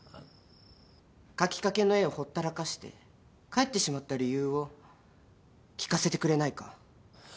描きかけの絵をほったらかして帰ってしまった理由を聞かせてくれないか？